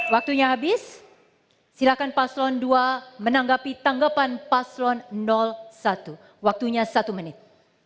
waktunya habis silakan paslon dua menanggapi tanggapan paslon satu waktunya satu menit